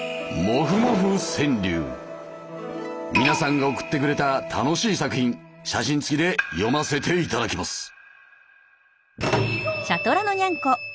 皆さんが送ってくれた楽しい作品写真付きで読ませていただきます。